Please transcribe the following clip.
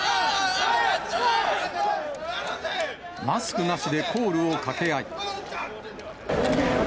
マスクなしでコールを掛け合い。